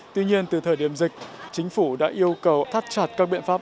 tuy nhiên từ thời điểm dịch chính phủ đã yêu cầu thắt chặt các biện pháp